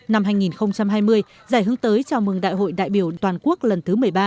năm hai nghìn hai mươi giải hướng tới chào mừng đại hội đại biểu toàn quốc lần thứ một mươi ba